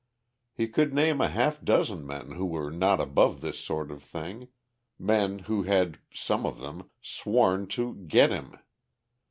He could name a half dozen men who were not above this sort of thing, men who had, some of them, sworn to "get him."